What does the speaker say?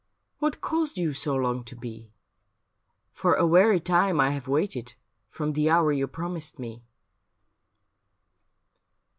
What caused you so long to be ? For a weary time I have waited From the hour you promised me.'